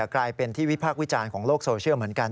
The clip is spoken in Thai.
กลายเป็นที่วิพากษ์วิจารณ์ของโลกโซเชียลเหมือนกัน